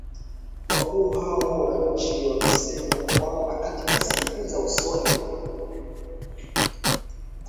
Wakuu hao wa nchi wamesema kwamba katika siku za usoni mawaziri na wataalamu wa kiufundi